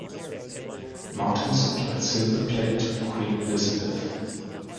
Martin supplied silver plate to Queen Elizabeth.